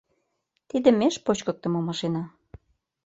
Тиде меж почкыктымо машина.